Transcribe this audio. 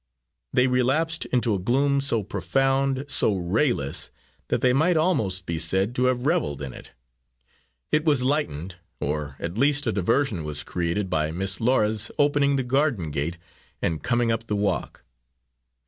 They relapsed into a gloom so profound, so rayless, that they might almost be said to have reveled in it. It was lightened, or at least a diversion was created by Miss Laura's opening the garden gate and coming up the walk.